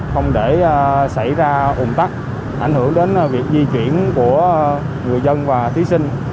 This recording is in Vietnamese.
không để xảy ra ủng tắc ảnh hưởng đến việc di chuyển của người dân và thí sinh